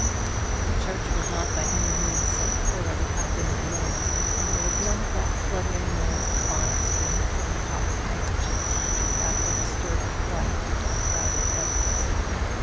The church was not by any means so full as it had been in the morning; and there was none of that fluttering noise of bonnet strings and pocket handkerchiefs which is apt to disturb the quiet of a crowded edifice.